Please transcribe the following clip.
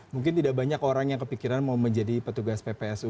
mungkin tidak banyak orang yang kepikiran mau menjadi petugas ppsu